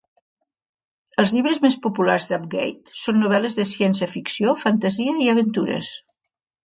Els llibres més populars d'Apggate són novel·les de ciència ficció, fantasia i aventures.